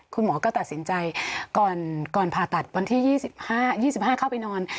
คุณหมอก็ตัดสินใจก่อนผ่าตัดวันที่๒๕เข้าไปนอน